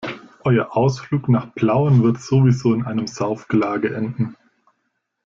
Euer Ausflug nach Plauen wird sowieso in einem Saufgelage enden.